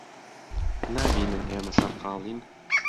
نابینن ئێمە سەرقاڵین؟